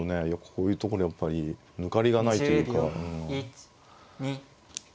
こういうとこでやっぱり抜かりがないというか。